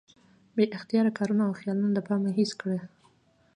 بې اختياره کارونه او خيالونه د پامه هېڅ کړي